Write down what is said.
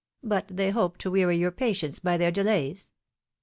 But they hoped to weary your patience by their delays